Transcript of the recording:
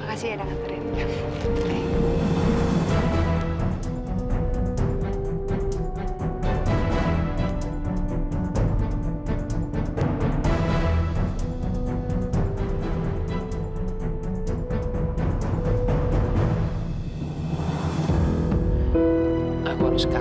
makasih ya dengan terima kasih